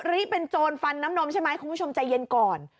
ริเป็นโจรฟันน้ำนมใช่ไหมคุณผู้ชมใจเย็นก่อน